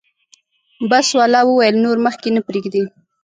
بس والا وویل نور مخکې نه پرېږدي.